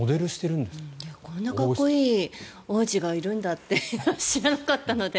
こんなかっこいい王子がいるんだって知らなかったので。